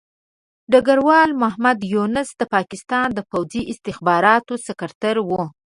ډګروال محمد یونس د پاکستان د پوځي استخباراتو سکرتر وو.